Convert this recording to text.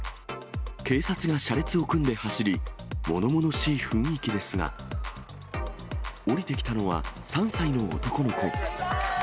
警察が車列を組んで走り、ものものしい雰囲気ですが、降りてきたのは３歳の男の子。